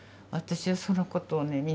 私はそのことをね